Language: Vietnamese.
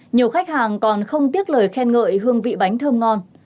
nhiều khách hàng còn không tiếc lời khen ngợi hương vị bánh thơm ngon